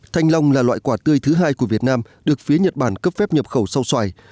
thanh long là loại quả tươi thứ hai của việt nam được phía nhật bản cấp phép nhập khẩu sau xoài